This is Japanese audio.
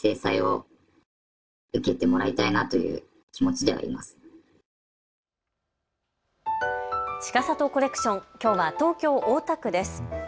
ちかさとコレクション、きょうは東京大田区です。